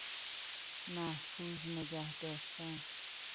محفوظ نگهداشتن